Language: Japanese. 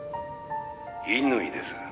「乾です」